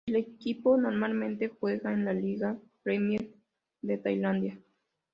El equipo normalmente juega en la Liga Premier de Tailandia.